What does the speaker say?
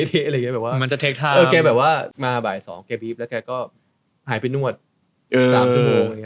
มันอาจจะแบบเละเทะมันจะเทคทามเขาแบบว่ามาบ่าย๒เขาบี๊บแล้วก็หายไปนวด๓สูงโมง